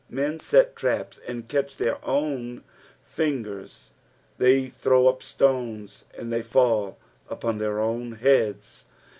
Blcn set traps and catch their own flngeis. They throw up stoces, and tlicy full upon their own heads.